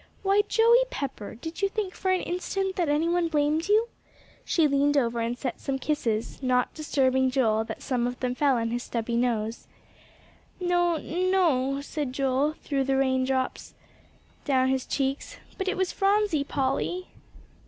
"Why, Joey Pepper, did you think for an instant that any one blamed you?" She leaned over and set some kisses, not disturbing Joel that some of them fell on his stubby nose. "N no," said Joel, through the rain of drops down his cheeks, "but it was Phronsie, Polly."